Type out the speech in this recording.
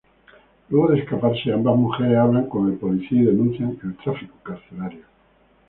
Luego de escaparse, ambas mujeres hablan con el policía y denuncian el tráfico carcelario.